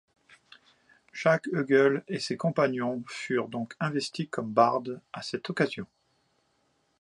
Jacques Heugel et ses compagnons furent donc investis comme bardes à cette occasion.